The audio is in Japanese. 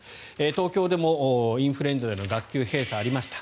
東京でもインフルエンザでの学級閉鎖がありました。